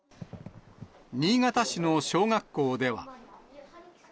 新潟市の小学校では。